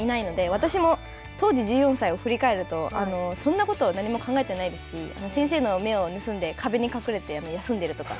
私も当時１４歳を振り返るとそんなこと、何も考えてないですし、先生の目を盗んで壁に隠れて休んでるとか。